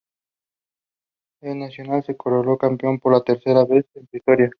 El Nacional se coronó campeón por tercera vez en su historia.